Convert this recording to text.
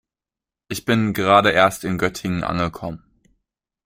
Ich bin gerade erst in Göttingen angekommen